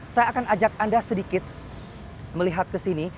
saya akan ajak anda sedikit melihat ke sini